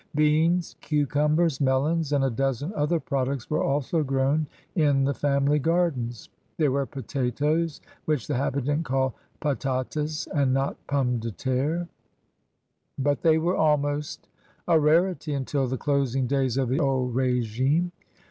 Beans, cucumbers, melons, and a dozen other products were also grown in the family gardens. There were potatoes, which the habitant called patates and not pommes de terre^ HOW THE PEOPLE LIVED 215 but they were almost a rarity until the closing days of the Old Regime.